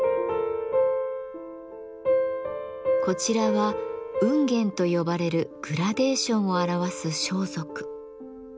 こちらは繧繝と呼ばれるグラデーションを表す装束。